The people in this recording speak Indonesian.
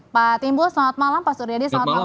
pak timbul selamat malam pak suryadi selamat malam